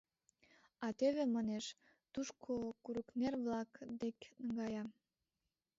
— А тӧвӧ, — манеш, — тушко, курыкнер-влак дек наҥгай.